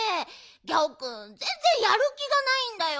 ギャオくんぜんぜんやるきがないんだよ。